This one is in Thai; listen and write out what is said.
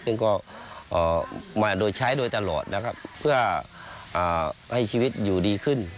ซึ่งก็มาโดยใช้โดยตลอดนะครับเพื่อให้ชีวิตอยู่ดีขึ้น